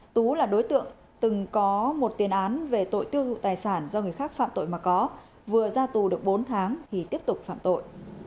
tú là đối tượng từng có một tiền án về tội tiêu thụ tài sản do người khác phạm tội mà có vừa ra tù được bốn tháng thì tiếp tục phạm tội